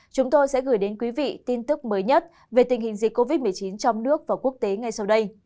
chúng tôi sẽ gửi đến quý vị tin tức mới nhất về tình hình dịch covid một mươi chín trong nước và quốc tế ngay sau đây